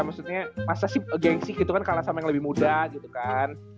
maksudnya masa sih gengsi gitu kan kalah sama yang lebih muda gitu kan